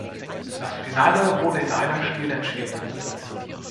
Das Finale wurde in einem Spiel entschieden.